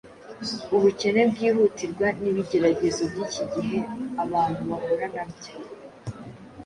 Ubukene bwihutirwa n’ibigeragezo by’iki gihe abantu bahura na byo,